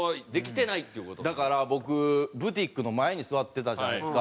だから僕ブティックの前に座ってたじゃないですか。